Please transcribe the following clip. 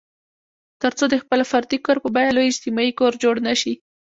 تر څو د خپل فردي کور په بیه لوی اجتماعي کور جوړ نه شي.